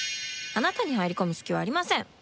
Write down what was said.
あなたに入り込む隙はありません。